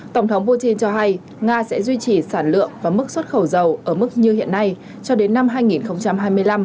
tổng thống putin cho hay nga sẽ duy trì sản lượng và mức xuất khẩu dầu ở mức như hiện nay cho đến năm hai nghìn hai mươi năm